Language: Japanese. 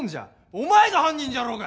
お前が犯人じゃろうが！？」